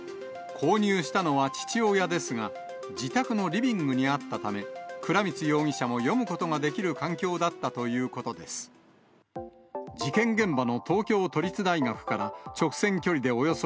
購入したのは父親ですが、自宅のリビングにあったため、倉光容疑者も読むことができる環境だったということです。